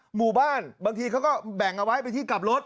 หมู่บ้านบางทีเขาก็แบ่งเอาไว้เป็นที่กลับรถ